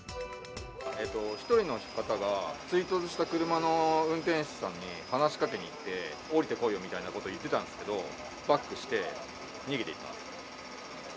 １人の方が、追突した車の運転手さんに話しかけに行って、降りてこいよみたいなことを言ってたんですけど、バックして逃げていったんです。